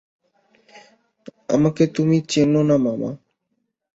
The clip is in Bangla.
আমাকে তুমি চেন না মামা।